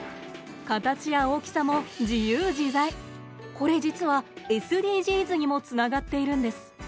これ実はＳＤＧｓにもつながっているんです。